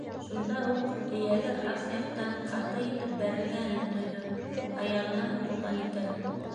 Шунда уҡ эйәге аҫ яҡтан ҡаты итеп бәрелгәнен тойҙо: аяғына һуғылған икән!